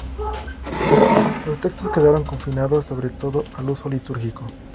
Los textos quedaron confinados sobre todo al uso litúrgico.